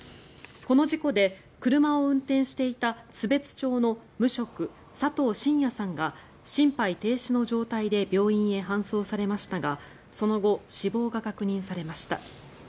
この事故で車を運転していた津別町の無職佐藤信哉さんが心肺停止の状態で病院へ搬送されましたがその後、死亡が確認されました。